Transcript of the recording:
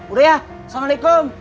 udah ya assalamualaikum